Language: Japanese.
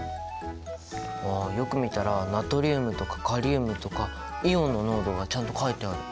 ああよく見たらナトリウムとかカリウムとかイオンの濃度がちゃんと書いてある！